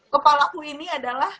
kepalaku ini adalah